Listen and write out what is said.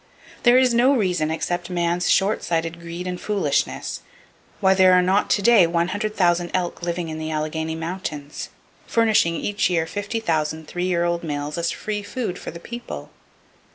There is no reason, except man's short sighted greed and foolishness, why there are not to day one hundred thousand elk living in the Allegheny Mountains, furnishing each year fifty thousand three year old males as free food for the people.